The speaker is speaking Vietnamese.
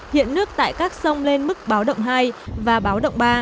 hiện nước tại các sông lên mức báo động hai và báo động ba